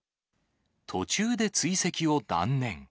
途中で追跡を断念。